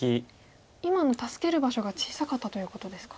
今の助ける場所が小さかったということですか。